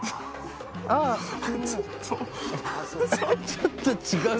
「ちょっと違う」